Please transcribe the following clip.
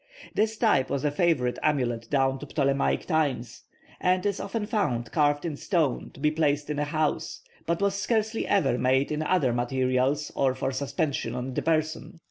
This type was a favourite amulet down to Ptolemaic times, and is often found carved in stone to be placed in a house, but was scarcely ever made in other materials or for suspension on the person.